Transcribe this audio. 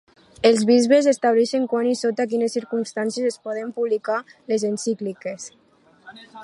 Els bisbes estableixen quan i sota quines circumstàncies es poden publicar les encícliques.